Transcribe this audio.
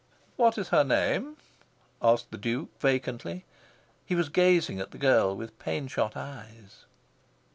"What is her name?" asked the Duke, vacantly. He was gazing at the girl with pain shot eyes.